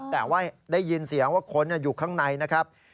แต่ว่าได้ยินเสียงว่าคนอยู่ข้างในนะครับ